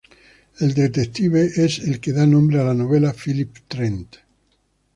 El detective es el que da nombre a la novela: Philip Trent.